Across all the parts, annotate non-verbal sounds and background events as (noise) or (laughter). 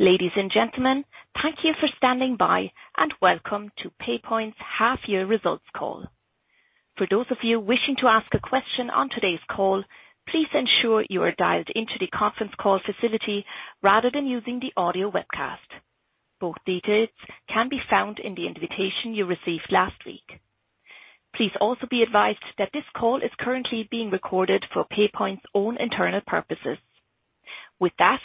Ladies and gentlemen, thank you for standing by. Welcome to PayPoint's Half Year Results Call. For those of you wishing to ask a question on today's call, please ensure you are dialed into the conference call facility rather than using the audio webcast. Both details can be found in the invitation you received last week. Please also be advised that this call is currently being recorded for PayPoint's own internal purposes. With that,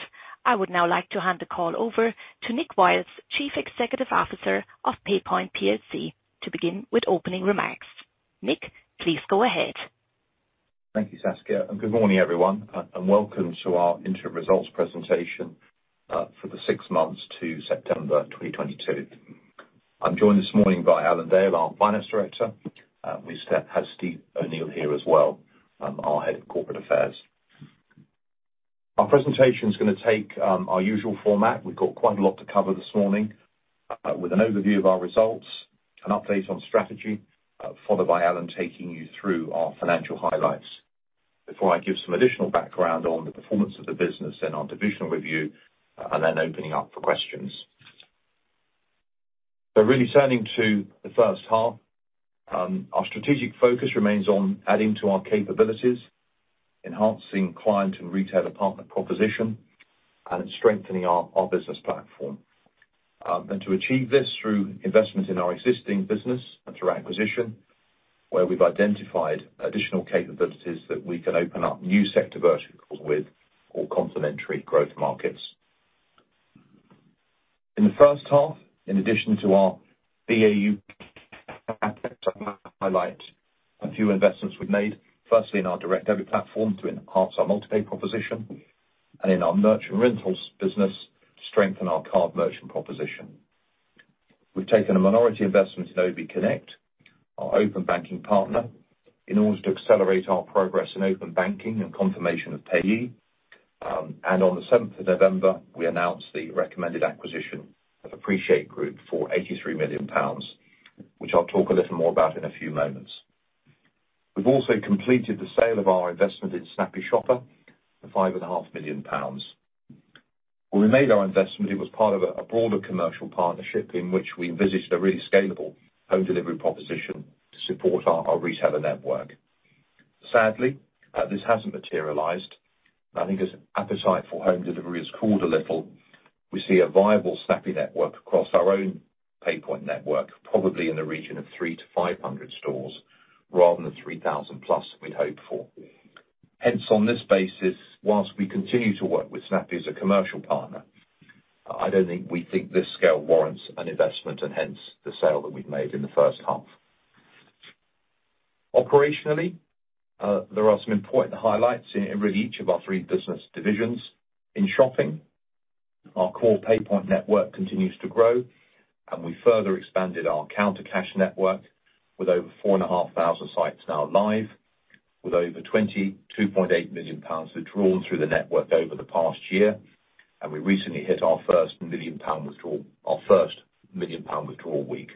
I would now like to hand the call over to Nick Wiles, Chief Executive Officer of PayPoint PLC, to begin with opening remarks. Nick, please go ahead. Thank you, Saskia, good morning, everyone, and welcome to our interim results presentation for the six months to September 2022. I'm joined this morning by Alan Dale, our Finance Director. We have Steve O'Neill here as well, our Head of Corporate Affairs. Our presentation's gonna take our usual format. We've got quite a lot to cover this morning, with an overview of our results, an update on strategy, followed by Alan taking you through our financial highlights before I give some additional background on the performance of the business and our divisional review, then opening up for questions. Really turning to the first half, our strategic focus remains on adding to our capabilities, enhancing client and retailer partner proposition, and strengthening our business platform. To achieve this through investment in our existing business and through acquisition, where we've identified additional capabilities that we can open up new sector verticals with or complementary growth markets. In the first half, in addition to our BAU, highlight a few investments we've made, firstly in our Direct Debit platform to enhance our MultiPay proposition and in our Merchant Rentals business to strengthen our card merchant proposition. We've taken a minority investment in obconnect, our Open Banking partner, in order to accelerate our progress in Open Banking and Confirmation of Payee. On the 7 November 2022, we announced the recommended acquisition of Appreciate Group for 83 million pounds, which I'll talk a little more about in a few moments. We've also completed the sale of our investment in Snappy Shopper for 5.5 million pounds. When we made our investment, it was part of a broader commercial partnership in which we envisaged a really scalable home delivery proposition to support our retailer network. Sadly, this hasn't materialized, and I think as appetite for home delivery has cooled a little, we see a viable Snappy network across our own PayPoint network, probably in the region of 300 to 500 stores rather than 3,000-plus we'd hoped for. On this basis, whilst we continue to work with Snappy as a commercial partner, I don't think we think this scale warrants an investment and hence the sale that we've made in the first half. Operationally, there are some important highlights in really each of our three business divisions. In shopping, our core PayPoint network continues to grow. We further expanded our Counter Cash network with over 4,500 sites now live, with over 22.8 million pounds withdrawn through the network over the past year. We recently hit our first 1 million pound withdrawal week.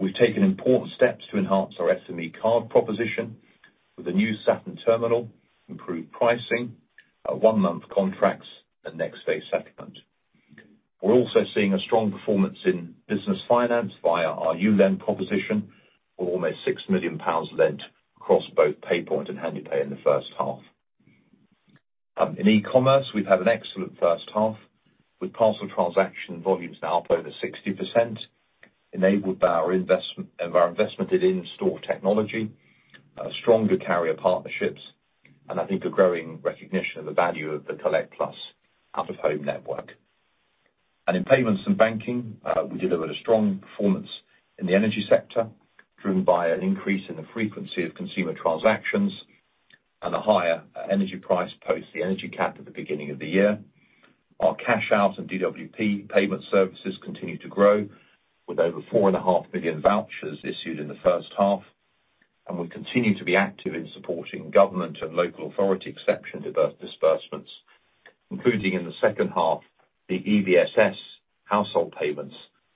We've taken important steps to enhance our SME card proposition with a new Saturn terminal, improved pricing, one-month contracts and next-day settlement. We're also seeing a strong performance in business finance via our YouLend proposition, with almost 6 million pounds lent across both PayPoint and Handepay in the first half. In e-commerce, we've had an excellent first half with parcel transaction volumes now up over 60%, enabled by our investment, of our investment in in-store technology, stronger carrier partnerships, and I think a growing recognition of the value of the Collect+ out-of-home network. In payments and banking, we delivered a strong performance in the energy sector, driven by an increase in the frequency of consumer transactions and a higher energy price post the energy cap at the beginning of the year. Our cash out and DWP payment services continue to grow with over 4.5 million vouchers issued in the first half, and we continue to be active in supporting government and local authority exception disbursements, including, in the second half, the EBSS household payments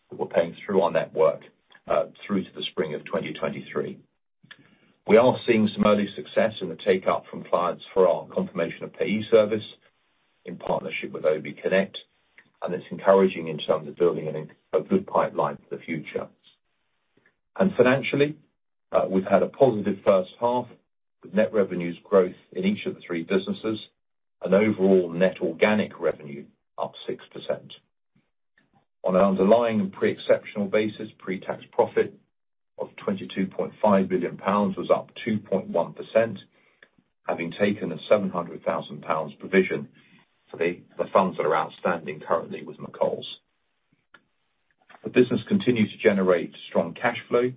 that we're paying through our network, through to the spring of 2023. We are seeing some early success in the take-up from clients for our Confirmation of Payee service in partnership with obconnect, it's encouraging in terms of building a good pipeline for the future. Financially, we've had a positive first half with net revenues growth in each of the three businesses and overall net organic revenue up 6%. On an underlying and pre-exceptional basis, pre-tax profit of 22.5 billion pounds was up 2.1%, having taken a 700,000 pounds provision for the funds that are outstanding currently with McColl's. The business continued to generate strong cash flow.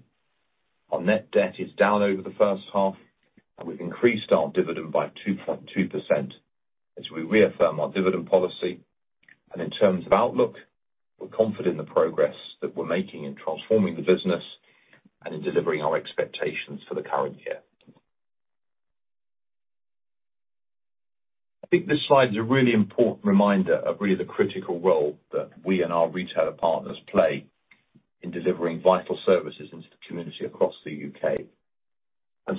Our net debt is down over the first half, we've increased our dividend by 2.2% as we reaffirm our dividend policy. In terms of outlook, we're confident in the progress that we're making in transforming the business and in delivering our expectations for the current year. I think this slide is a really important reminder of really the critical role that we and our retailer partners play in delivering vital services into the community across the UK.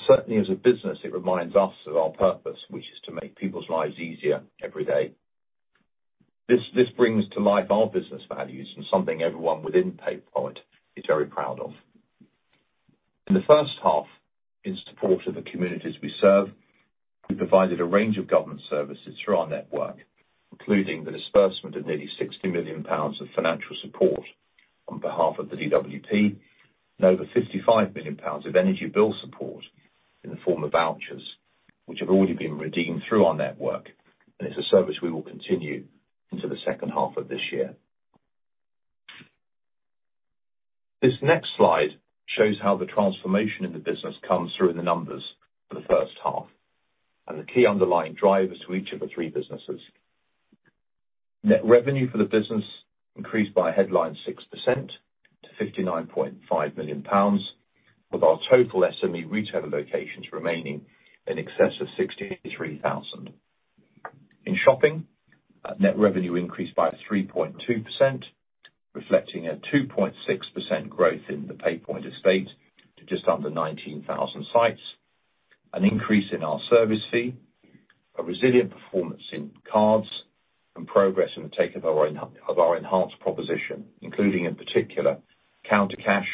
Certainly as a business, it reminds us of our purpose, which is to make people's lives easier every day. This brings to life our business values and something everyone within PayPoint is very proud of. In the first half, in support of the communities we serve, we provided a range of government services through our network, including the disbursement of nearly 60 million pounds of financial support on behalf of the DWP, and over 55 million pounds of energy bill support in the form of vouchers, which have already been redeemed through our network, and it's a service we will continue into the second half of this year. This next slide shows how the transformation in the business comes through in the numbers for the first half, and the key underlying drivers to each of the three businesses. Net revenue for the business increased by a headline 6% to 59.5 million pounds, with our total SME retailer locations remaining in excess of 63,000. In shopping, net revenue increased by 3.2%, reflecting a 2.6% growth in the PayPoint estate to just under 19,000 sites, an increase in our service fee, a resilient performance in cards, and progress in the take of our enhanced proposition, including in particular, Counter Cash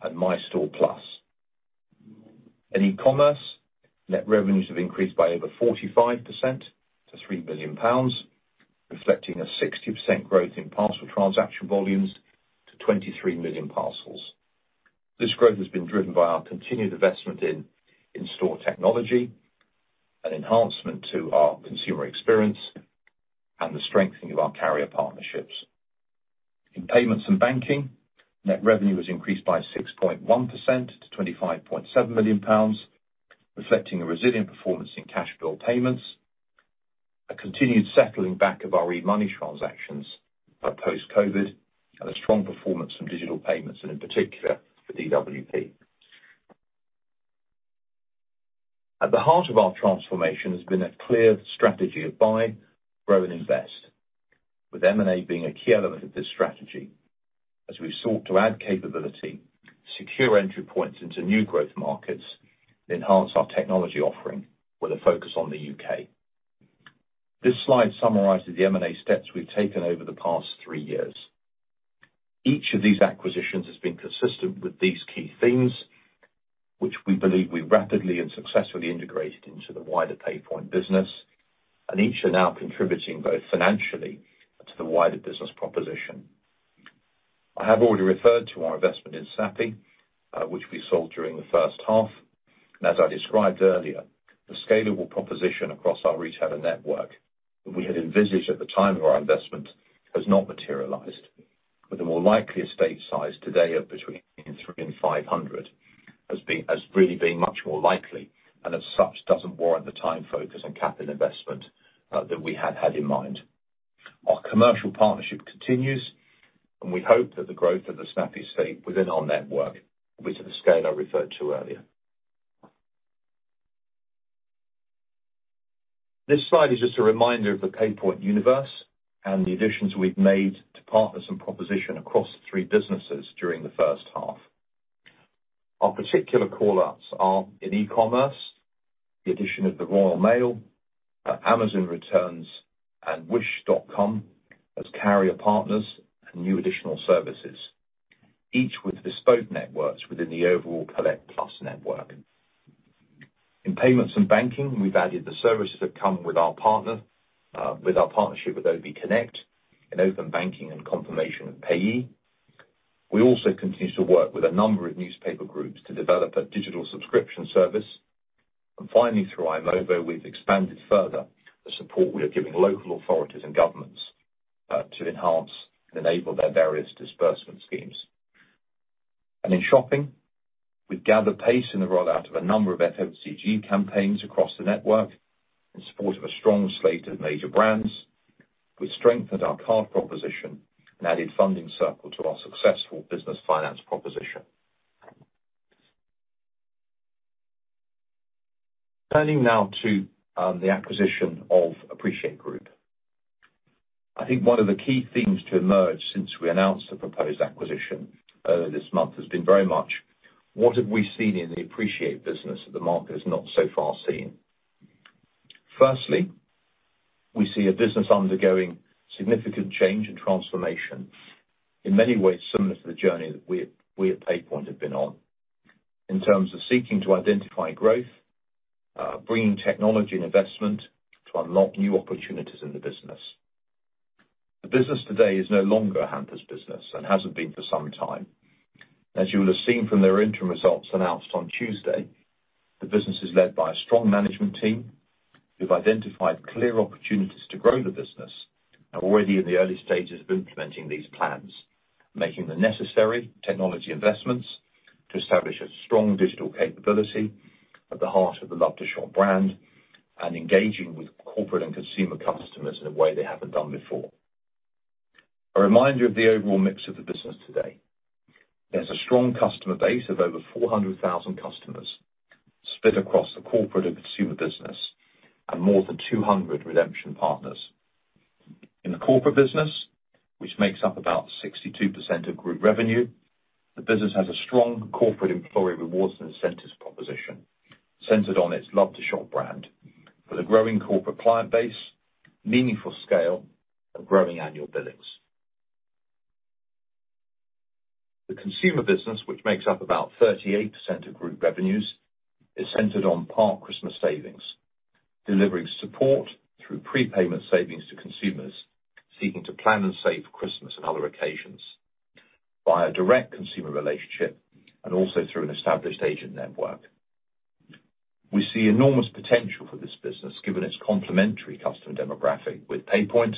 and MyStore+. In eCommerce, net revenues have increased by over 45% to 3 million pounds, reflecting a 60% growth in parcel transaction volumes to 23 million parcels. This growth has been driven by our continued investment in in-store technology and enhancement to our consumer experience and the strengthening of our carrier partnerships. In payments and banking, net revenue has increased by 6.1% to 25.7 million pounds, reflecting a resilient performance in cash build payments, a continued settling back of our eMoney transactions by post-COVID, and a strong performance from digital payments and in particular, the DWP. At the heart of our transformation has been a clear strategy of buy, grow, and invest, with M&A being a key element of this strategy as we've sought to add capability, secure entry points into new growth markets, enhance our technology offering with a focus on the UK. This slide summarizes the M&A steps we've taken over the past three years. Each of these acquisitions has been consistent with these key themes, which we believe we rapidly and successfully integrated into the wider PayPoint business, and each are now contributing both financially to the wider business proposition. I have already referred to our investment in Snappy, which we sold during the first half. As I described earlier, the scalable proposition across our retailer network that we had envisaged at the time of our investment has not materialized with a more likely estate size today of between 300 and 500 as really being much more likely, and as such, doesn't warrant the time focus and capital investment that we had had in mind. Our commercial partnership continues, and we hope that the growth of the Snappy estate within our network will be to the scale I referred to earlier. This slide is just a reminder of the PayPoint universe and the additions we've made to partners and proposition across the three businesses during the first half. Our particular callouts are in e-commerce, the addition of the Royal Mail, Amazon returns and Wish.com as carrier partners and new additional services, each with bespoke networks within the overall Collect+ network. In payments and banking, we've added the services that come with our partnership with obconnect in Open Banking and Confirmation of Payee. Finally, through i-movo, we've expanded further the support we are giving local authorities and governments to enhance and enable their various disbursement schemes. In shopping, we've gathered pace in the rollout of a number of FMCG campaigns across the network in support of a strong slate of major brands. We strengthened our card proposition and added Funding Circle to our successful business finance proposition. Turning now to the acquisition of Appreciate Group. I think one of the key themes to emerge since we announced the proposed acquisition early this month has been very much what have we seen in the Appreciate business that the market has not so far seen. Firstly, we see a business undergoing significant change and transformation in many ways similar to the journey that we at PayPoint have been on in terms of seeking to identify growth, bringing technology and investment to unlock new opportunities in the business. The business today is no longer a hampers business and hasn't been for some time. As you will have seen from their interim results announced on Tuesday, the business is led by a strong management team who've identified clear opportunities to grow the business and already in the early stages of implementing these plans, making the necessary technology investments to establish a strong digital capability at the heart of the Love2shop brand and engaging with corporate and consumer customers in a way they haven't done before. A reminder of the overall mix of the business today. There's a strong customer base of over 400,000 customers split across the corporate and consumer business and more than 200 redemption partners. In the corporate business, which makes up about 62% of group revenue, the business has a strong corporate employee rewards and incentives proposition, centered on its Love2shop brand with a growing corporate client base, meaningful scale, and growing annual billings. The consumer business, which makes up about 38% of group revenues, is centered on Park Christmas Savings, delivering support through prepayment savings to consumers seeking to plan and save Christmas and other occasions via direct consumer relationship and also through an established agent network. We see enormous potential for this business, given its complementary customer demographic with PayPoint,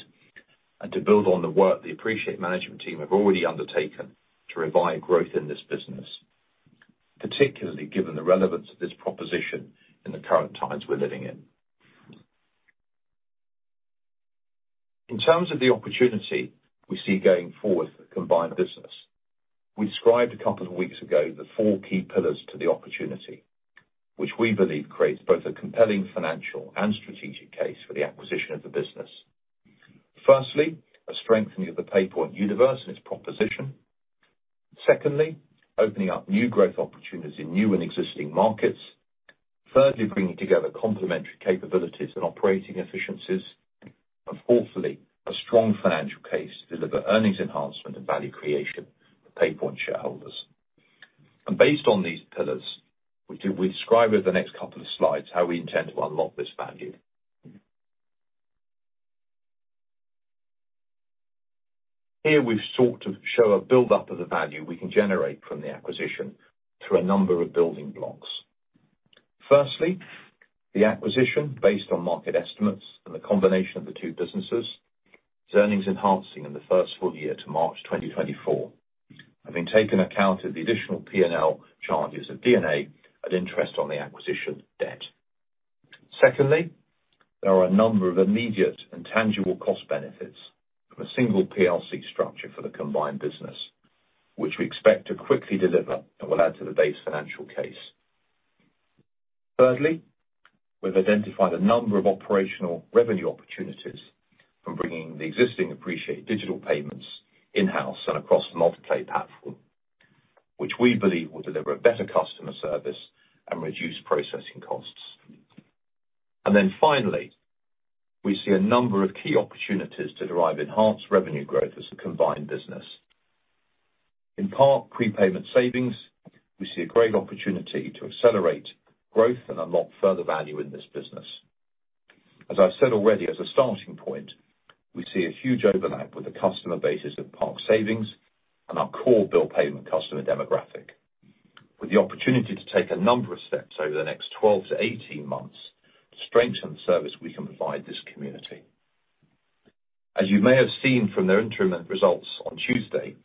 and to build on the work the Appreciate management team have already undertaken to revive growth in this business, particularly given the relevance of this proposition in the current times we're living in. In terms of the opportunity we see going forward for the combined business, we described a couple of weeks ago the four key pillars to the opportunity, which we believe creates both a compelling financial and strategic case for the acquisition of the business. Firstly, a strengthening of the PayPoint universe and its proposition. Secondly, opening up new growth opportunities in new and existing markets. Thirdly, bringing together complementary capabilities and operating efficiencies. Fourthly, a strong financial case to deliver earnings enhancement and value creation for PayPoint shareholders. Based on these pillars, we describe over the next couple of slides how we intend to unlock this value. Here we've sought to show a build-up of the value we can generate from the acquisition through a number of building blocks. Firstly, the acquisition, based on market estimates and the combination of the two businesses, is earnings enhancing in the first full year to March 2024, having taken account of the additional P&L charges of D&A and interest on the acquisition debt. There are a number of immediate and tangible cost benefits from a single PLC structure for the combined business, which we expect to quickly deliver and will add to the base financial case. We've identified a number of operational revenue opportunities from bringing the existing Appreciate digital payments in-house and across the MultiPay platform, which we believe will deliver better customer service and reduce processing costs. Finally, we see a number of key opportunities to derive enhanced revenue growth as a combined business. In part, prepayment savings, we see a great opportunity to accelerate growth and unlock further value in this business. As I've said already, as a starting point, we see a huge overlap with the customer bases of Park Savings and our core bill payment customer demographic, with the opportunity to take a number of steps over the next 12 to 18 months to strengthen the service we can provide this community. As you may have seen from their interim results on Tuesday,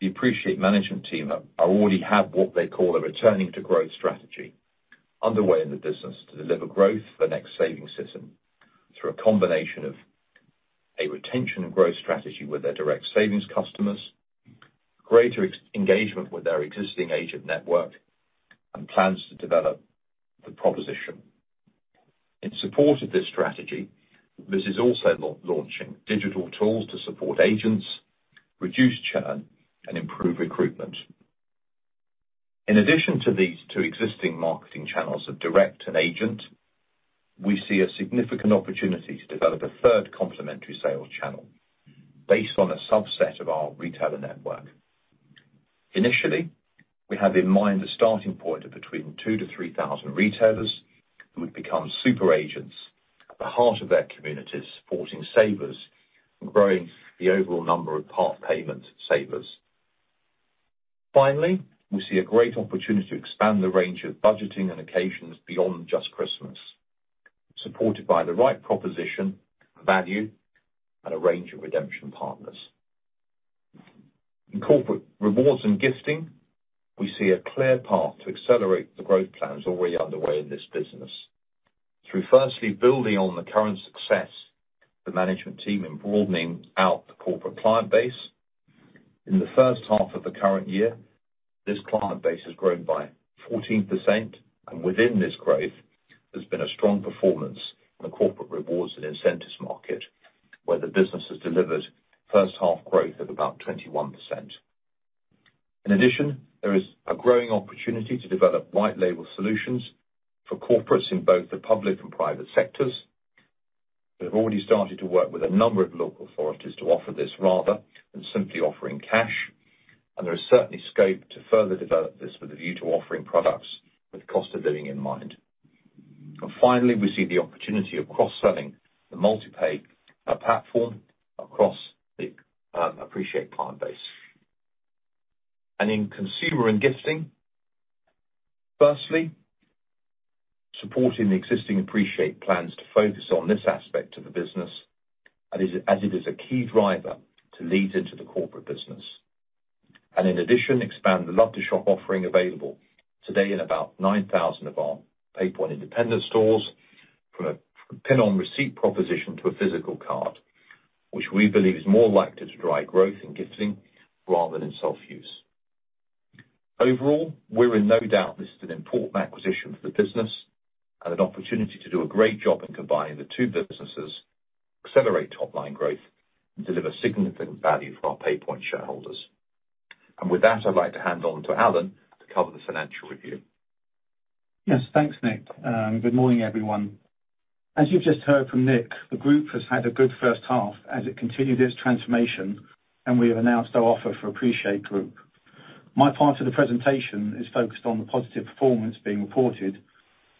the Appreciate management team already have what they call a returning to growth strategy underway in the business to deliver growth for the next savings season through a combination of a retention and growth strategy with their direct savings customers, greater ex-engagement with their existing agent network, and plans to develop the proposition. In support of this strategy, this is also launching digital tools to support agents, reduce churn, and improve recruitment. In addition to these two existing marketing channels of direct and agent, we see a significant opportunity to develop a third complementary sales channel based on a subset of our retailer network. Initially, we have in mind a starting point of between 2,000 to 3,000 retailers who would become super agents at the heart of their communities, supporting savers and growing the overall number of Park payment savers. Finally, we see a great opportunity to expand the range of budgeting and occasions beyond just Christmas, supported by the right proposition, value, and a range of redemption partners. In corporate rewards and gifting, we see a clear path to accelerate the growth plans already underway in this business through firstly building on the current success of the management team in broadening out the corporate client base. In the first half of the current year, this client base has grown by 14%. Within this growth, there's been a strong performance in the corporate rewards and incentives market, where the business has delivered first half growth of about 21%. In addition, there is a growing opportunity to develop white label solutions for corporates in both the public and private sectors. We have already started to work with a number of local authorities to offer this rather than simply offering cash. There is certainly scope to further develop this with a view to offering products with cost of living in mind. Finally, we see the opportunity of cross-selling the MultiPay platform across the Appreciate client base. In consumer and gifting, firstly, supporting the existing Appreciate plans to focus on this aspect of the business as it is a key driver to lead into the corporate business. In addition, expand the Love2shop offering available today in about 9,000 of our PayPoint independent stores from a PIN on receipt proposition to a physical card, which we believe is more likely to drive growth in gifting rather than in self-use. Overall, we're in no doubt this is an important acquisition for the business and an opportunity to do a great job in combining the two businesses, accelerate top-line growth, and deliver significant value for our PayPoint shareholders. With that, I'd like to hand on to Alan to cover the financial review. Yes, thanks, Nick. Good morning, everyone. As you've just heard from Nick, the group has had a good first half as it continued its transformation, and we have announced our offer for Appreciate Group. My part of the presentation is focused on the positive performance being reported,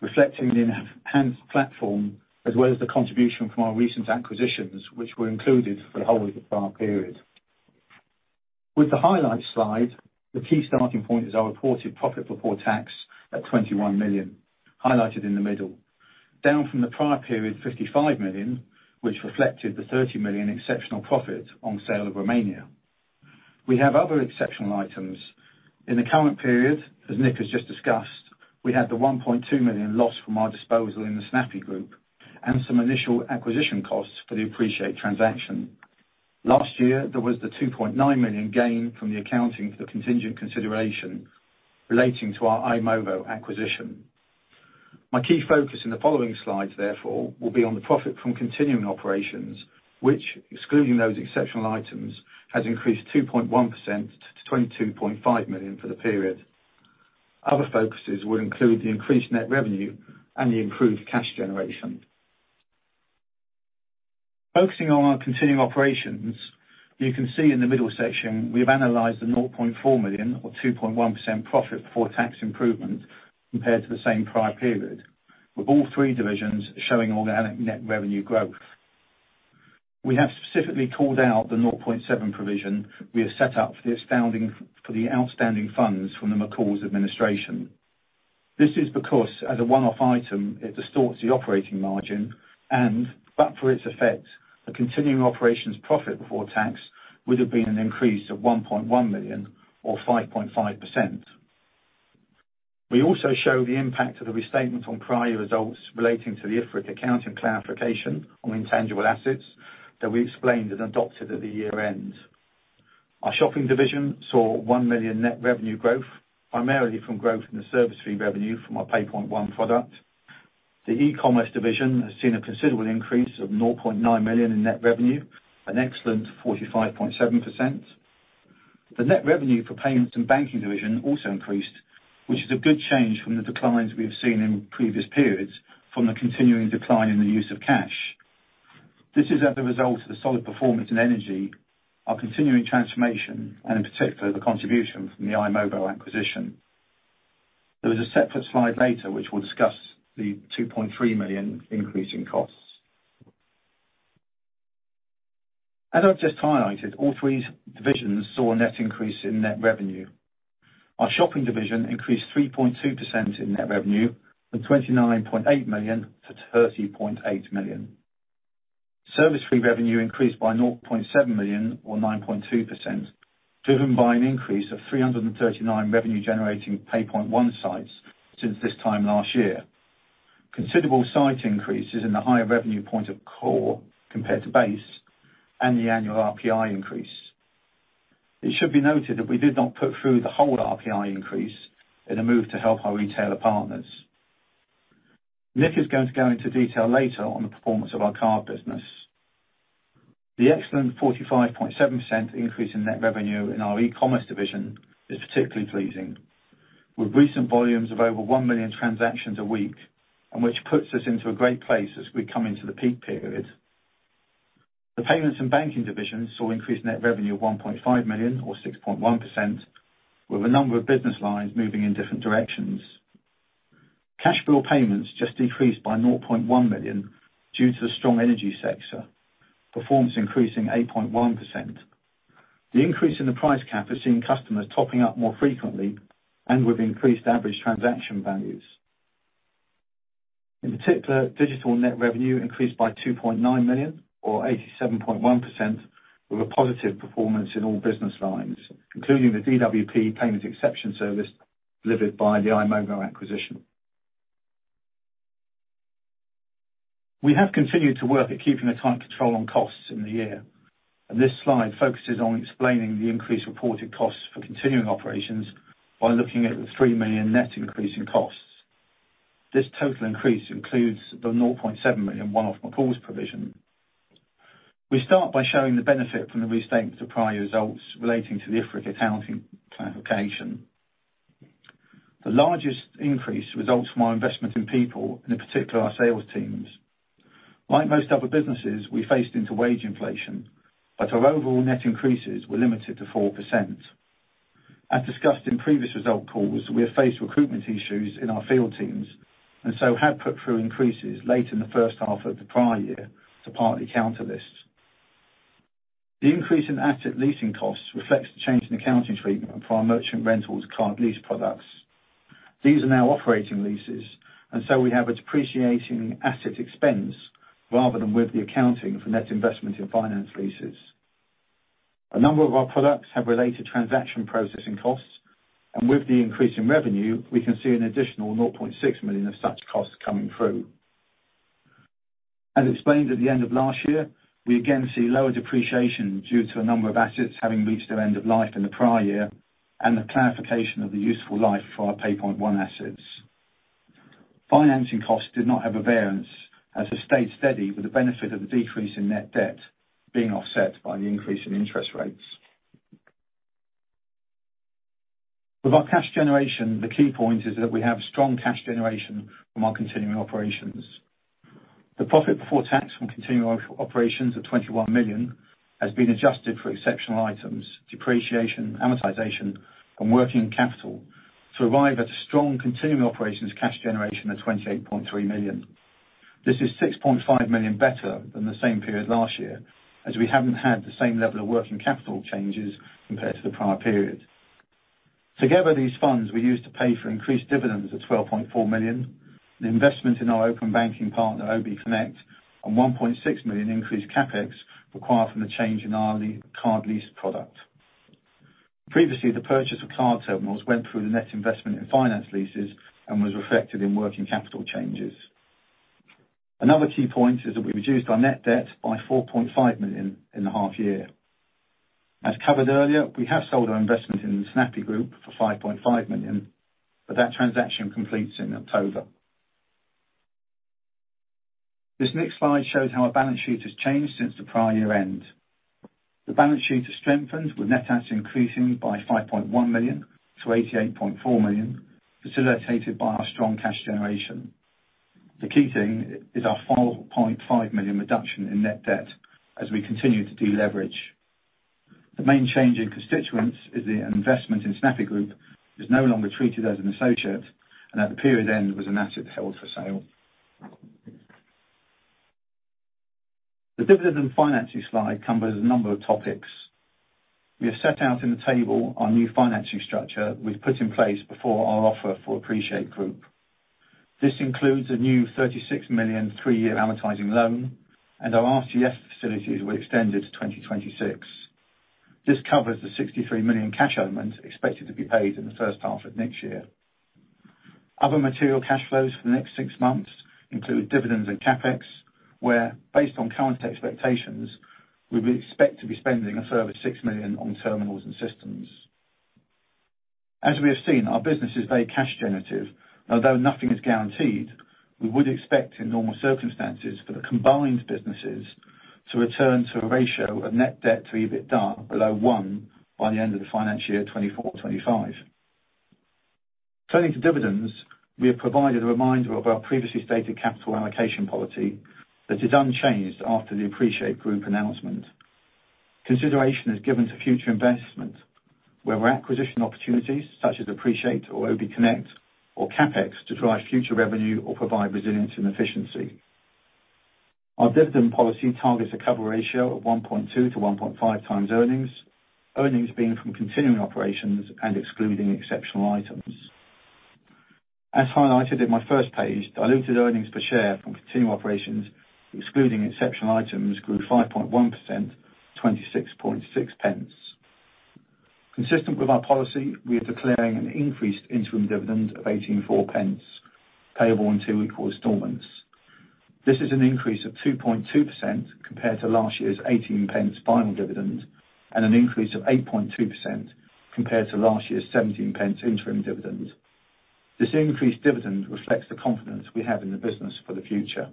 reflecting the enhanced platform, as well as the contribution from our recent acquisitions, which were included for the whole of the prior period. With the highlight slide, the key starting point is our reported profit before tax at 21 million, highlighted in the middle, down from the prior period, 55 million, which reflected the 30 million exceptional profit on sale of Romania. We have other exceptional items. In the current period, as Nick has just discussed, we had the 1.2 million loss from our disposal in the Snappy Group and some initial acquisition costs for the Appreciate transaction. Last year, there was the 2.9 million gain from the accounting for the contingent consideration relating to our i-movo acquisition. My key focus in the following slides, therefore, will be on the profit from continuing operations, which excluding those exceptional items, has increased 2.1% to 22.5 million for the period. Other focuses will include the increased net revenue and the improved cash generation. Focusing on our continuing operations, you can see in the middle section, we have analyzed the 0.4 million or 2.1% profit before tax improvement compared to the same prior period, with all three divisions showing organic net revenue growth. We have specifically called out the 0.7 provision we have set up for the outstanding funds from the McColl's administration. This is because, as a one-off item, it distorts the operating margin and, but for its effect, the continuing operations profit before tax would have been an increase of 1.1 million or 5.5%. We also show the impact of the restatement on prior results relating to the IFRIC accounting clarification on intangible assets that we explained and adopted at the year-end. Our shopping division saw 1 million net revenue growth, primarily from growth in the service fee revenue from our PayPoint One product. The e-commerce division has seen a considerable increase of 0.9 million in net revenue, an excellent 45.7%. The net revenue for payments and banking division also increased, which is a good change from the declines we have seen in previous periods from the continuing decline in the use of cash. This is as a result of the solid performance in energy, our continuing transformation, and in particular, the contribution from the i-movo acquisition. There is a separate slide later which will discuss the 2.3 million increase in costs. As I've just highlighted, all three divisions saw a net increase in net revenue. Our shopping division increased 3.2% in net revenue from 29.8 million to 30.8 million. Service fee revenue increased by 0.7 million or 9.2%, driven by an increase of 339 revenue generating PayPoint One sites since this time last year. Considerable site increases in the higher revenue point of core compared to base and the annual RPI increase. It should be noted that we did not put through the whole RPI increase in a move to help our retailer partners. Nick is going to go into detail later on the performance of our card business. The excellent 45.7% increase in net revenue in our e-commerce division is particularly pleasing. With recent volumes of over 1 million transactions a week and which puts us into a great place as we come into the peak period. The payments and banking division saw increased net revenue of 1.5 million or 6.1%, with a number of business lines moving in different directions. Cash bill payments just decreased by 0.1 million due to the strong energy sector, performance increasing 8.1%. The increase in the price cap has seen customers topping up more frequently and with increased average transaction values. In particular, digital net revenue increased by 2.9 million or 87.1% with a positive performance in all business lines, including the DWP payment exception service delivered by the i-movo acquisition. We have continued to work at keeping a tight control on costs in the year, and this slide focuses on explaining the increased reported costs for continuing operations by looking at the 3 million net increase in costs. This total increase includes the 0.7 million one-off McColl's provision. We start by showing the benefit from the restatement to prior results relating to the IFRIC accounting classification. The largest increase results from our investment in people, and in particular our sales teams. Like most other businesses, we faced into wage inflation, but our overall net increases were limited to 4%. As discussed in previous result calls, we have faced recruitment issues in our field teams and so have put through increases late in the first half of the prior year to partly counter this. The increase in asset leasing costs reflects the change in accounting treatment for our Merchant Rentals client lease products. These are now operating leases, and so we have a depreciating asset expense rather than with the accounting for net investment in finance leases. A number of our products have related transaction processing costs, and with the increase in revenue, we can see an additional 0.6 million of such costs coming through. As explained at the end of last year, we again see lower depreciation due to a number of assets having reached their end of life in the prior year, and the clarification of the useful life for our PayPoint One assets. Financing costs did not have a variance as they stayed steady with the benefit of the decrease in net debt being offset by the increase in interest rates. The key point is that we have strong cash generation from our continuing operations. The profit before tax from continuing operations of 21 million has been adjusted for exceptional items, depreciation, amortization, and working capital to arrive at a strong continuing operations cash generation of 28.3 million. This is 6.5 million better than the same period last year, as we haven't had the same level of working capital changes compared to the prior period. Together, these funds we used to pay for increased dividends of 12.4 million, the investment in our open banking partner, obconnect, and 1.6 million increased CapEx required from the change in our card lease product. Previously, the purchase of card terminals went through the net investment in finance leases and was reflected in working capital changes. Another key point is that we reduced our net debt by 4.5 million in the half year. As covered earlier, we have sold our investment in Snappy Group for 5.5 million, that transaction completes in October. This next slide shows how our balance sheet has changed since the prior year end. The balance sheet has strengthened with net assets increasing by 5.1 million to 88.4 million, facilitated by our strong cash generation. The key thing is our 4.5 million reduction in net debt as we continue to deleverage. The main change in constituents is the investment in Snappy Group is no longer treated as an associate and at the period end was an asset held for sale. The dividend financing slide covers a number of topics. We have set out in the table our new financing structure we've put in place before our offer for Appreciate Group. This includes a new 36 million, three-year amortizing loan, and our RGS facilities were extended to 2026. This covers the 63 million cash element expected to be paid in the first half of next year. Other material cash flows for the next six months include dividends and CapEx, where, based on current expectations, we expect to be spending a further 6 million on terminals and systems. As we have seen, our business is very cash generative. Although nothing is guaranteed, we would expect, in normal circumstances, for the combined businesses to return to a ratio of net debt to EBITDA below 1% by the end of the financial year 2024 to 2025. Turning to dividends, we have provided a reminder of our previously stated capital allocation policy that is unchanged after the Appreciate Group announcement. Consideration is given to future investment, where we're acquisition opportunities such as Appreciate or obconnect or CapEx to drive future revenue or provide resilience and efficiency. Our dividend policy targets a cover ratio of 1.2x to 1.5x earnings. Earnings being from continuing operations and excluding exceptional items. As highlighted in my first page, diluted earnings per share from continuing operations, excluding exceptional items, grew 5.1% to 0.266. Consistent with our policy, we are declaring an increased interim dividend of 0.184, payable in two equal installments. This is an increase of 2.2% compared to last year's 0.18 final dividend, and an increase of 8.2% compared to last year's 0.17 interim dividend. This increased dividend reflects the confidence we have in the business for the future.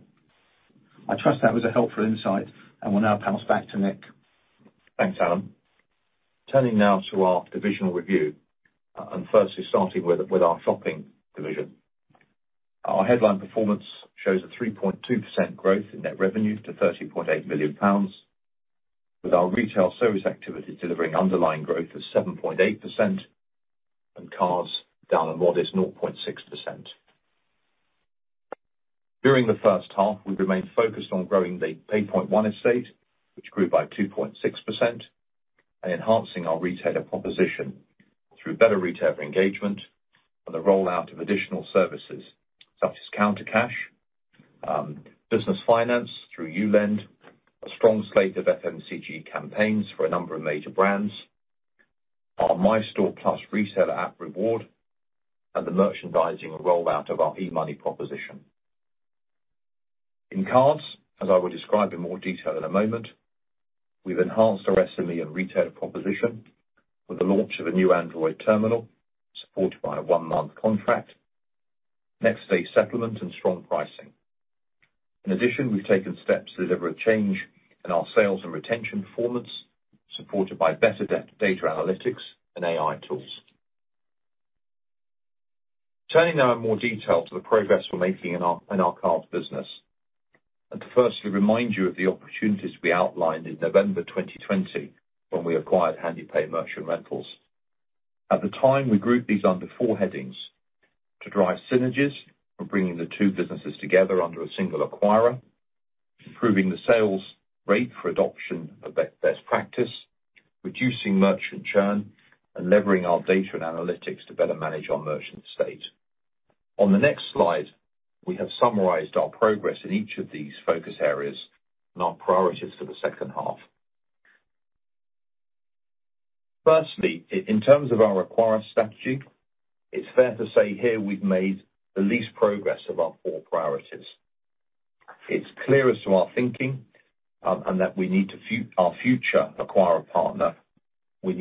I trust that was a helpful insight, and will now pass back to Nick. Thanks, Alan. Turning now to our divisional review, firstly starting with our shopping division. Our headline performance shows a 3.2% growth in net revenue to 30.8 million pounds, with our retail service activity delivering underlying growth of 7.8% and cards down a modest 0.6%. During the first half, we remained focused on growing the PayPoint One estate, which grew by 2.6%, and enhancing our retailer proposition through better retail engagement and the rollout of additional services such as Counter Cash, business finance through YouLend, a strong slate of FMCG campaigns for a number of major brands, our MyStore+ retailer app reward, and the merchandising rollout of our eMoney proposition. In cards, as I will describe in more detail in a moment, we've enhanced our SME and retailer proposition with the launch of a new Android terminal supported by a one-month contract, next day settlement, and strong pricing. We've taken steps to deliver a change in our sales and retention performance, supported by better data analytics and AI tools. Turning now in more detail to the progress we're making in our cards business. To firstly remind you of the opportunities we outlined in November 2020 when we acquired Handepay and Merchant Rentals. At the time, we grouped these under four headings: to drive synergies for bringing the two businesses together under a single acquirer, improving the sales rate for adoption of best practice, reducing merchant churn, and leveraging our data and analytics to better manage our merchant estate. On the next slide, we have summarized our progress in each of these focus areas and our priorities for the second half. Firstly, in terms of our acquirer strategy, it's fair to say here we've made the least progress of our four priorities. It's clearest to our thinking, and that in our future acquirer partner, we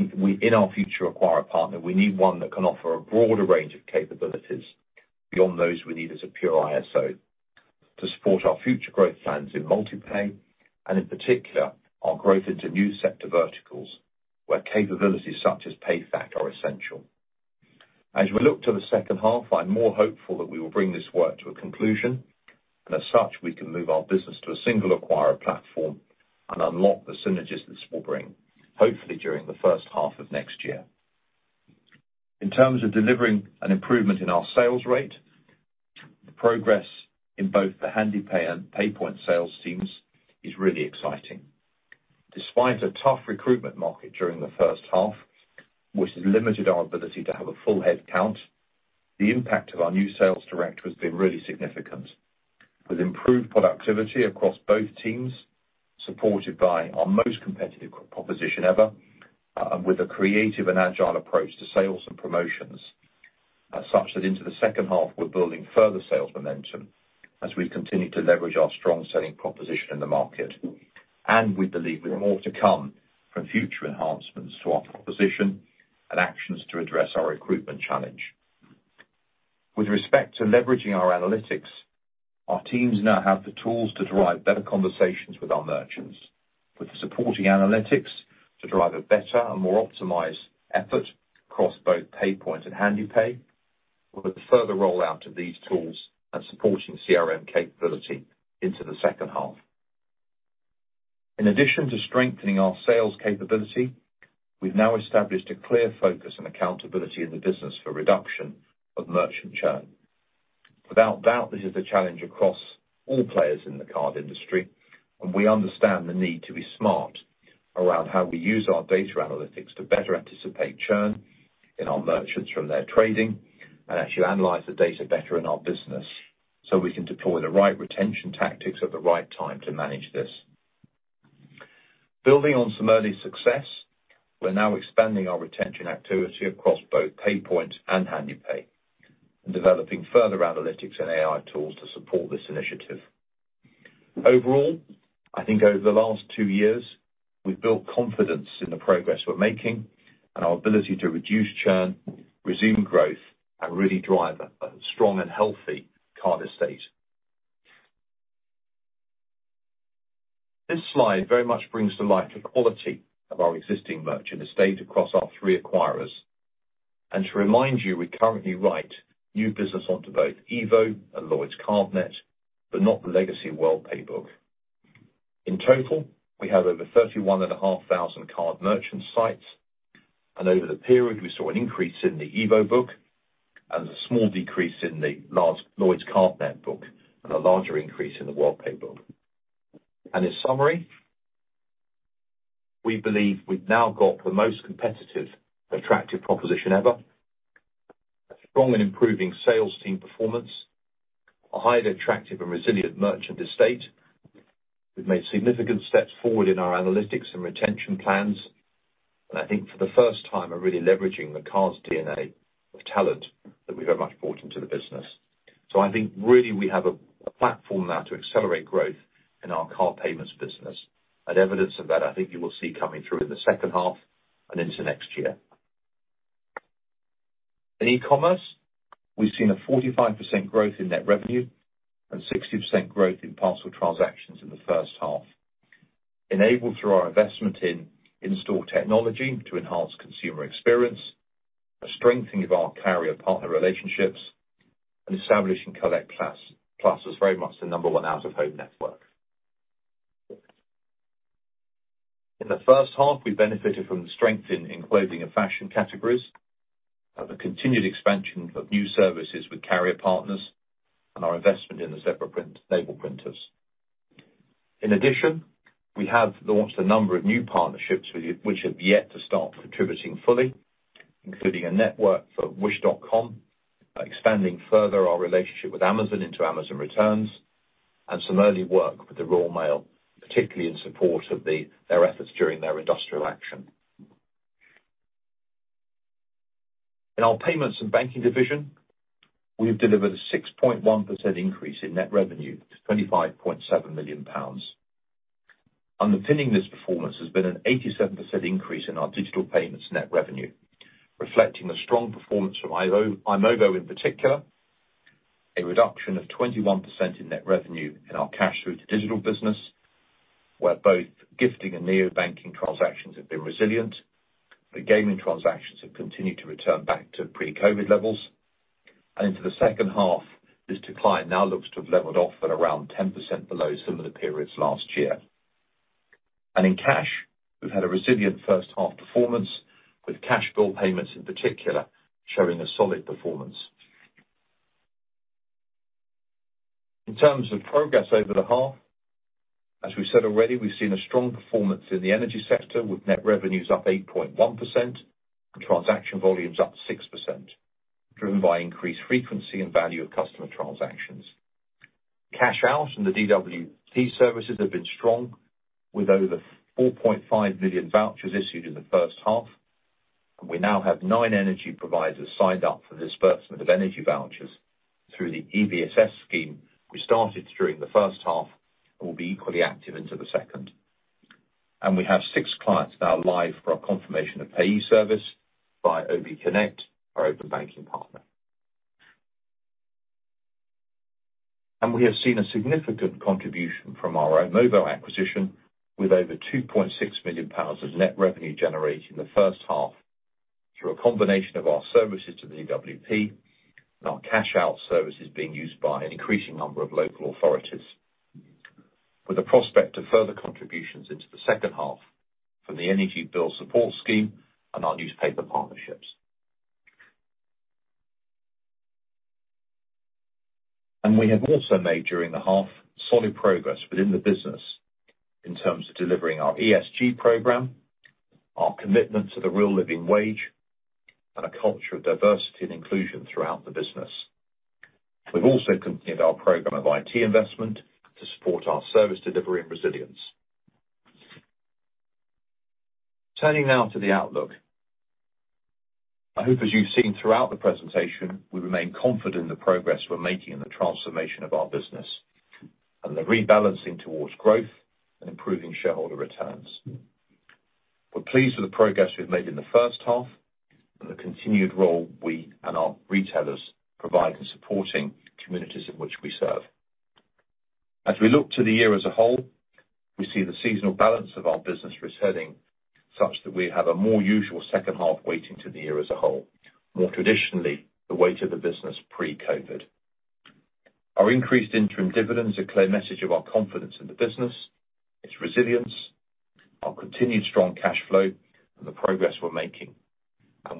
need one that can offer a broader range of capabilities beyond those we need as a pure ISO to support our future growth plans in MultiPay, and in particular, our growth into new sector verticals, where capabilities such as PayFac are essential. As we look to the second half, I'm more hopeful that we will bring this work to a conclusion. As such, we can move our business to a single acquirer platform and unlock the synergies this will bring, hopefully during the first half of next year. In terms of delivering an improvement in our sales rate, the progress in both the Handepay and PayPoint sales teams is really exciting. Despite a tough recruitment market during the first half, which has limited our ability to have a full head count, the impact of our new sales director has been really significant. With improved productivity across both teams, supported by our most competitive proposition ever, with a creative and agile approach to sales and promotions, such that into the second half, we're building further sales momentum as we continue to leverage our strong selling proposition in the market. We believe there's more to come from future enhancements to our proposition and actions to address our recruitment challenge. With respect to leveraging our analytics, our teams now have the tools to drive better conversations with our merchants, with supporting analytics to drive a better and more optimized effort across both PayPoint and Handepay with the further rollout of these tools and supporting CRM capability into the second half. In addition to strengthening our sales capability, we've now established a clear focus on accountability in the business for reduction of merchant churn. Without doubt, this is a challenge across all players in the card industry, and we understand the need to be smart around how we use our data analytics to better anticipate churn in our merchants from their trading and actually analyze the data better in our business, so we can deploy the right retention tactics at the right time to manage this. Building on some early success, we're now expanding our retention activity across both PayPoint and Handepay and developing further analytics and AI tools to support this initiative. I think over the last two years, we've built confidence in the progress we're making and our ability to reduce churn, resume growth, and really drive a strong and healthy card estate. This slide very much brings to life the quality of our existing merchant estate across our three acquirers. To remind you, we currently write new business onto both EVO and Lloyds Cardnet, but not the legacy Worldpay book. In total, we have over 31,500 card merchant sites. Over the period, we saw an increase in the EVO book, a small decrease in the large Lloyds Cardnet book, and a larger increase in the Worldpay book. In summary, we believe we've now got the most competitive and attractive proposition ever, a strong and improving sales team performance, a highly attractive and resilient merchant estate. We've made significant steps forward in our analytics and retention plans. I think for the first time, are really leveraging the cards DNA of talent that we very much brought into the business. I think really, we have a platform now to accelerate growth in our card payments business. Evidence of that, I think you will see coming through in the second half and into next year. In eCommerce, we've seen a 45% growth in net revenue and 60% growth in parcel transactions in the first half, enabled through our investment in in-store technology to enhance consumer experience, a strengthening of our carrier partner relationships, and establishing CollectPlus as very much the number one out of home network. In the first half, we benefited from the strength in clothing and fashion categories, and the continued expansion of new services with carrier partners and our investment in the separate label printers. In addition, we have launched a number of new partnerships with, which have yet to start contributing fully, including a network for Wish.com, expanding further our relationship with Amazon into Amazon returns, and some early work with the Royal Mail, particularly in support of their efforts during their industrial action. In our payments and banking division, we've delivered a 6.1% increase in net revenue to 25.7 million pounds. Underpinning this performance has been an 87% increase in our digital payments net revenue, reflecting the strong performance from i-movo in particular, a reduction of 21% in net revenue in our cash through to digital business, where both gifting and neobanking transactions have been resilient. The gaming transactions have continued to return back to pre-COVID levels. Into the second half, this decline now looks to have leveled off at around 10% below similar periods last year. In cash, we've had a resilient first half performance with cash bill payments in particular, showing a solid performance. In terms of progress over the half, as we said already, we've seen a strong performance in the energy sector with net revenues up 8.1% and transaction volumes up 6%. Driven by increased frequency and value of customer transactions. Cash out from the DWP services have been strong with over 4.5 million vouchers issued in the first half. We now have nine energy providers signed up for disbursement of energy vouchers through the EBSS scheme we started during the first half and will be equally active into the second. We have six clients now live for our Confirmation of Payee service by obconnect, our Open Banking partner. We have seen a significant contribution from our i-movo acquisition with over 2.6 million pounds of net revenue generated in the first half through a combination of our services to the DWP and our cash out services being used by an increasing number of local authorities. With the prospect of further contributions into the second half from the Energy Bill Support Scheme and our newspaper partnerships. We have also made during the half solid progress within the business in terms of delivering our ESG program, our commitment to the Real Living Wage and a culture of diversity and inclusion throughout the business. We've also continued our program of IT investment to support our service delivery and resilience. Turning now to the outlook. I hope as you've seen throughout the presentation, we remain confident in the progress we're making in the transformation of our business and the rebalancing towards growth and improving shareholder returns. We're pleased with the progress we've made in the first half and the continued role we and our retailers provide in supporting communities in which we serve. As we look to the year as a whole, we see the seasonal balance of our business resetting such that we have a more usual second half weighting to the year as a whole, more traditionally, the weight of the business pre-COVID. Our increased interim dividend is a clear message of our confidence in the business, its resilience, our continued strong cash flow and the progress we're making.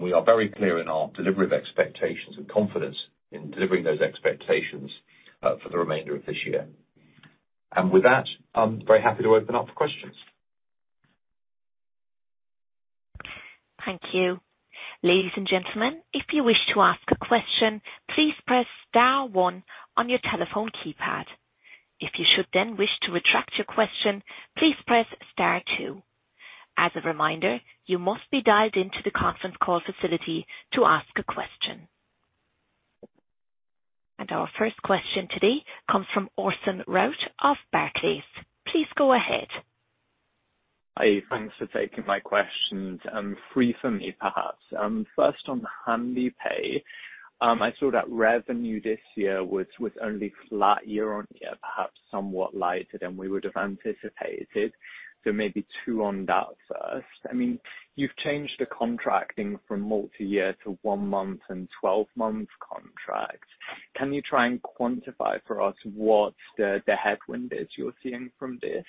We are very clear in our delivery of expectations and confidence in delivering those expectations for the remainder of this year. With that, I'm very happy to open up for questions. Thank you. Ladies and gentlemen, if you wish to ask a question, please press star one on your telephone keypad. If you should then wish to retract your question, please press star two. As a reminder, you must be dialed into the conference call facility to ask a question. Our first question today comes from Orson Rout of Barclays. Please go ahead. Hi. Thanks for taking my questions. three for me, perhaps. first on Handepay. I saw that revenue this year was only flat year-on-year, perhaps somewhat lighter than we would have anticipated. Maybe two on that first. I mean, you've changed the contracting from multi-year to one month and 12-month contracts. Can you try and quantify for us what the headwind is you're seeing from this?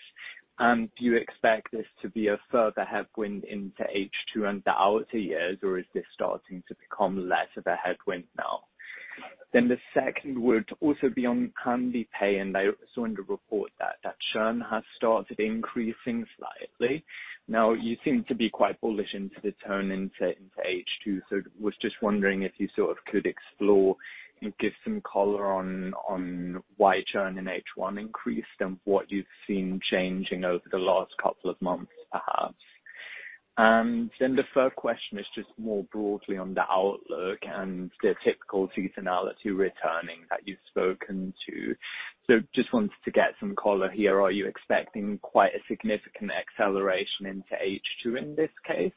Do you expect this to be a further headwind into second half and the outer years, or is this starting to become less of a headwind now? The second would also be on Handepay, and I saw in the report that churn has started increasing slightly. You seem to be quite bullish into the turn into second half, so was just wondering if you sort of could explore and give some color on why churn in first half increased and what you've seen changing over the last couple of months, perhaps. The third question is just more broadly on the outlook and the typical seasonality returning that you've spoken to. Just wanted to get some color here. Are you expecting quite a significant acceleration into second half in this case?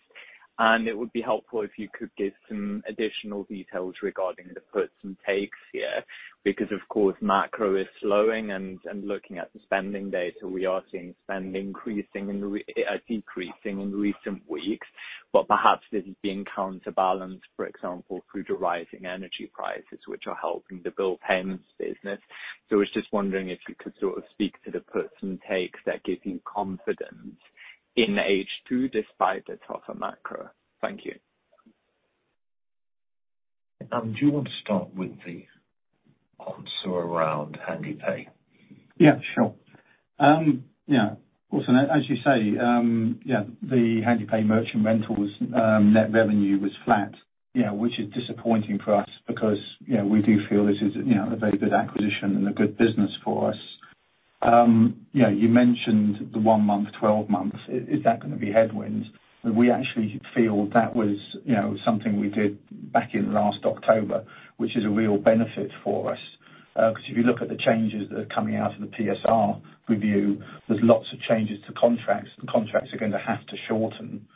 It would be helpful if you could give some additional details regarding the puts and takes here, because of course macro is slowing and looking at the spending data, we are seeing spend increasing in the decreasing in recent weeks. Perhaps this is being counterbalanced, for example, through the rising energy prices, which are helping the bill payments business. I was just wondering if you could sort of speak to the puts and takes that gives you confidence in second half despite the tougher macro. Thank you. Do you want to start with the answer around Handepay? Oscar, as you say, the Handepay and Merchant Rentals net revenue was flat. Which is disappointing for us because, you know, we do feel this is, you know, a very good acquisition and a good business for us. You mentioned the one month, 12 months. Is that gonna be headwinds? We actually feel that was, you know, something we did back in last October, which is a real benefit for us. Because if you look at the changes that are coming out of the PSR review, there's lots of changes to contracts, and contracts are gonna have to shorten.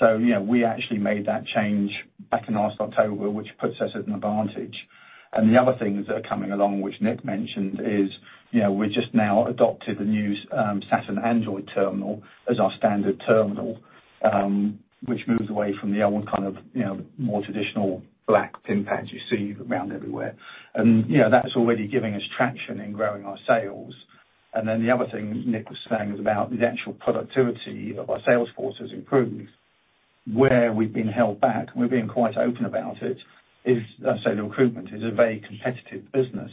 You know, we actually made that change back in last October, which puts us at an advantage. The other things that are coming along, which Nick mentioned, is, you know, we just now adopted the new Saturn Android terminal as our standard terminal, which moves away from the old kind of, you know, more traditional black PIN pads you see around everywhere. You know, that's already giving us traction in growing our sales. The other thing Nick was saying is about the actual productivity of our sales force has improved. Where we've been held back, and we're being quite open about it, is, as I say, the recruitment. It's a very competitive business.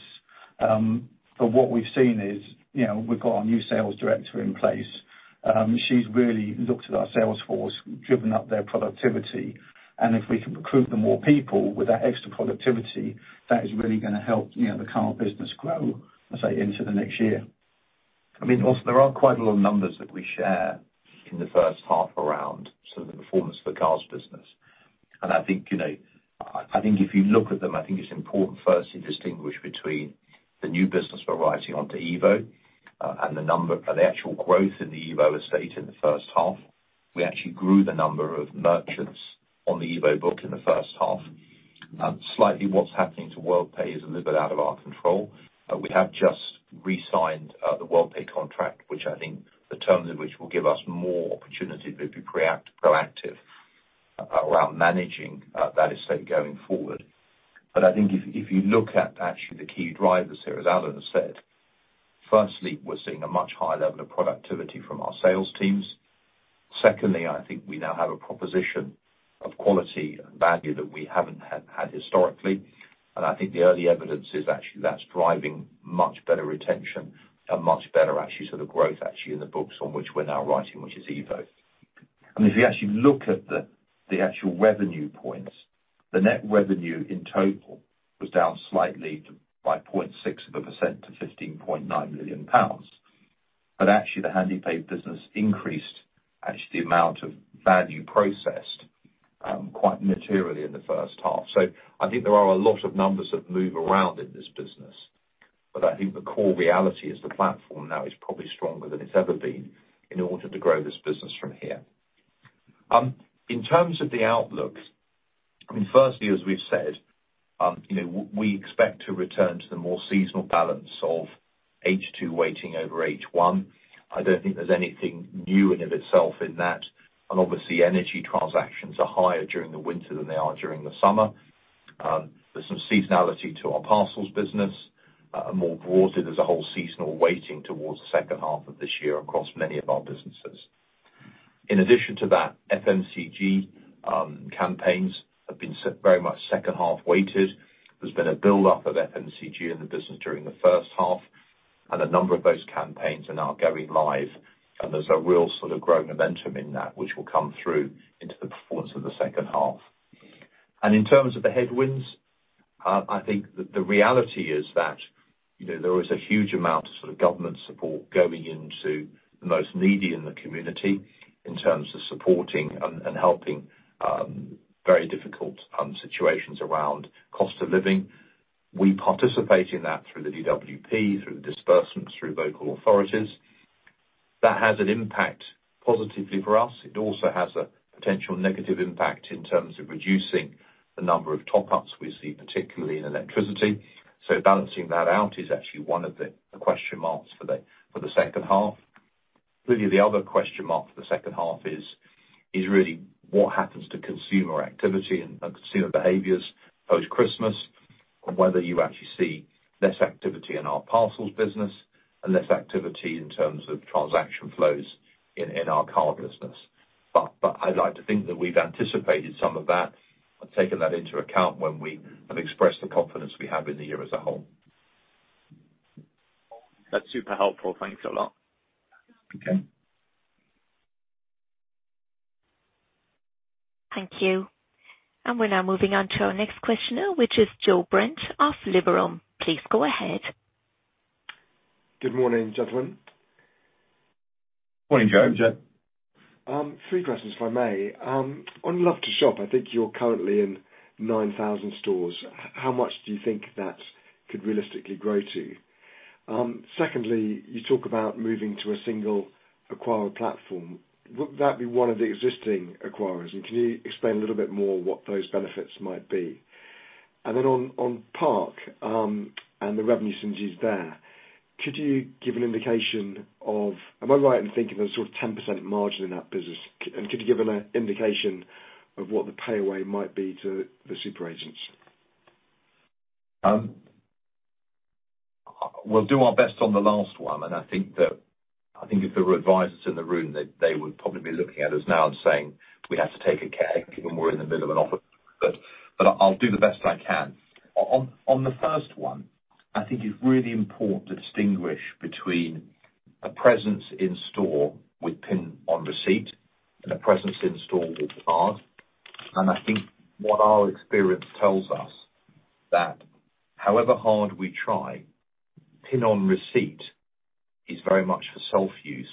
What we've seen is, you know, we've got our new sales director in place. She's really looked at our sales force, driven up their productivity, and if we can recruit some more people with that extra productivity, that is really gonna help, you know, the card business grow, I'd say, into the next year. I mean, also, there are quite a lot of numbers that we share in the first half around sort of the performance of the cards business. I think, you know, I think if you look at them, I think it's important first to distinguish between the new business we're writing onto EVO and the actual growth in the EVO estate in the first half. Slightly what's happening to Worldpay is a little bit out of our control. We have just re-signed the Worldpay contract, which I think the terms of which will give us more opportunity to be proactive around managing that estate going forward. I think if you look at actually the key drivers here, as Alan Dale has said, firstly, we're seeing a much higher level of productivity from our sales teams. Secondly, I think we now have a proposition of quality and value that we haven't had historically. I think the early evidence is actually that's driving much better retention and much better actually sort of growth actually in the books on which we're now writing, which is EVO. I mean, if you actually look at the actual revenue points, the net revenue in total was down slightly by 0.6% to 15.9 million pounds. Actually, the Handepay business increased actually the amount of value processed quite materially in the first half. I think there are a lot of numbers that move around in this business. I think the core reality is the platform now is probably stronger than it's ever been in order to grow this business from here. In terms of the outlook, I mean, firstly, as we've said, you know, we expect to return to the more seasonal balance of second half weighting over first half. I don't think there's anything new in and of itself in that. Obviously, energy transactions are higher during the winter than they are during the summer. There's some seasonality to our parcels business. More broadly, there's a whole seasonal weighting towards the second half of this year across many of our businesses. In addition to that, FMCG, campaigns have been very much second half weighted. There's been a buildup of FMCG in the business during the first half, and a number of those campaigns are now going live, and there's a real sort of growth momentum in that which will come through into the performance of the second half. In terms of the headwinds, I think the reality is that, you know, there is a huge amount of sort of government support going into the most needy in the community in terms of supporting and helping, very difficult, situations around cost of living. We participate in that through the DWP, through the disbursements, through local authorities. That has an impact positively for us. It also has a potential negative impact in terms of reducing the number of top-ups we see, particularly in electricity. Balancing that out is actually one of the question marks for the second half. Really the other question mark for the second half is really what happens to consumer activity and consumer behaviors post-Christmas, and whether you actually see less activity in our Parcels business and less activity in terms of transaction flows in our card business. I'd like to think that we've anticipated some of that and taken that into account when we have expressed the confidence we have in the year as a whole. That's super helpful. Thanks a lot. Okay. Thank you. We're now moving on to our next questioner, which is Joe Brent of Liberum. Please go ahead. Good morning, gentlemen. Morning, Joe. Morning, Joe. Three questions if I may. On Love2Shop, I think you're currently in 9,000 stores. How much do you think that could realistically grow to? Secondly, you talk about moving to a single acquirer platform. Would that be one of the existing acquirers? Can you explain a little bit more what those benefits might be? Then on Parcels, and the revenue synergies there, could you give an indication, am I right in thinking there's sort of 10% margin in that business? Could you give an indication of what the payaway might be to the super agents? We'll do our best on the last one, I think that, I think if there were advisors in the room, they would probably be looking at us now and saying we have to take a caveat given we're in the middle of an offer. I'll do the best I can. On the first one, I think it's really important to distinguish between a presence in store with PIN on receipt and a presence in store with card. I think what our experience tells us that however hard we try, PIN on receipt is very much for self use.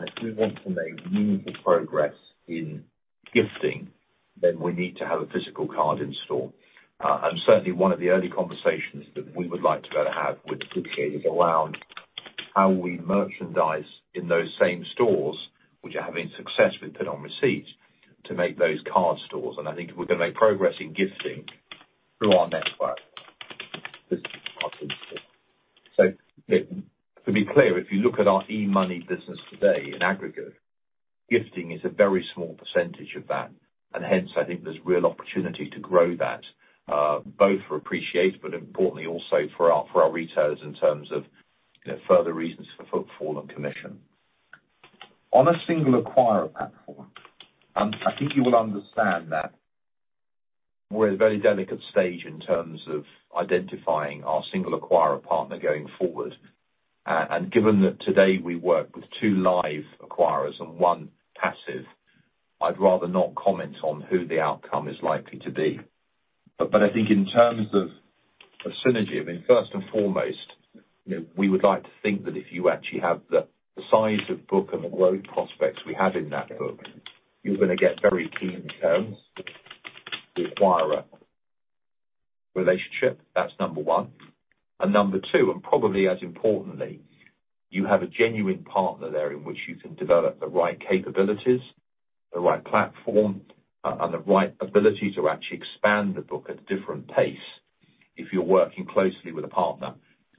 If we want to make meaningful progress in gifting, then we need to have a physical card in store. Certainly one of the early conversations that we would like to be able to have with... (inaudible) is around how we merchandise in those same stores which are having success with PIN on receipt to make those card stores. I think if we're gonna make progress in gifting through our network, this is a possibility. To be clear, if you look at our eMoney business today in aggregate, gifting is a very small percentage of that, and hence, I think there's real opportunity to grow that, both for Appreciate, but importantly also for our, for our retailers in terms of, you know, further reasons for footfall and commission. On a single acquirer platform, I think you will understand that we're at a very delicate stage in terms of identifying our single acquirer partner going forward. Given that today we work with two live acquirers and one passive, I'd rather not comment on who the outcome is likely to be. I think in terms of synergy, I mean, first and foremost, you know, we would like to think that if you actually have the size of book and the growth prospects we have in that book, you're gonna get very keen terms with acquirer relationship. That's number one. Number two, and probably as importantly, you have a genuine partner there in which you can develop the right capabilities, the right platform, and the right ability to actually expand the book at a different pace if you're working closely with a partner.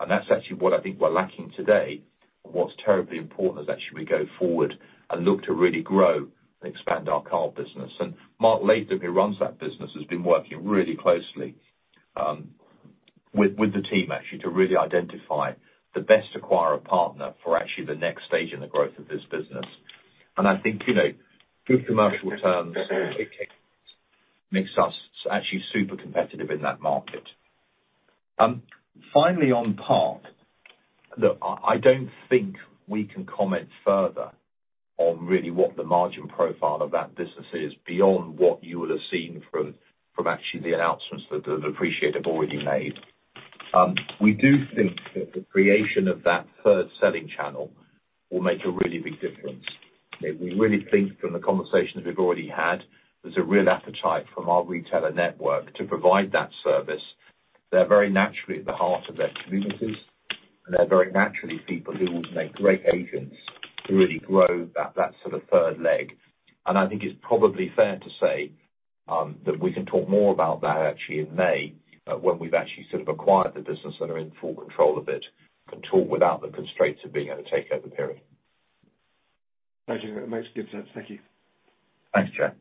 That's actually what I think we're lacking today, and what's terribly important as actually we go forward and look to really grow and expand our card business. Mark Laidlaw, who runs that business, has been working really closely with the team actually, to really identify the best acquirer partner for actually the next stage in the growth of this business. I think, you know, good commercial terms makes us actually super competitive in that market. Finally on Park, look, I don't think we can comment further on really what the margin profile of that business is beyond what you would've seen from actually the announcements that Appreciate have already made. We do think that the creation of that third selling channel will make a really big difference. We really think from the conversations we've already had, there's a real appetite from our retailer network to provide that service. They're very naturally at the heart of their communities, and they're very naturally people who will make great agents to really grow that sort of third leg. I think it's probably fair to say that we can talk more about that actually in May, when we've actually sort of acquired the business and are in full control of it. Can talk without the constraints of being in a takeover period. It makes good sense. Thank you. Thanks, Joe.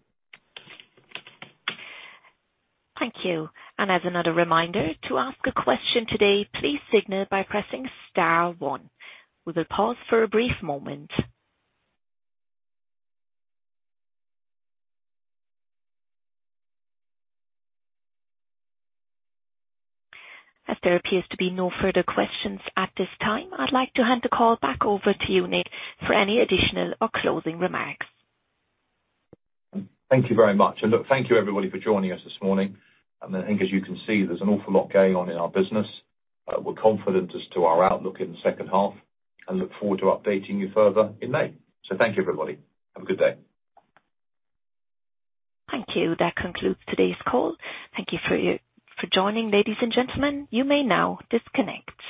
Thank you. As another reminder, to ask a question today, please signal by pressing star one. We will pause for a brief moment. There appears to be no further questions at this time, I'd like to hand the call back over to you, Nick, for any additional or closing remarks. Thank you very much. Look, thank you everybody for joining us this morning. I think as you can see, there's an awful lot going on in our business. We're confident as to our outlook in the second half and look forward to updating you further in May. Thank you, everybody. Have a good day. Thank you. That concludes today's call. Thank you for joining ladies and gentlemen. You may now disconnect.